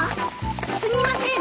すみません。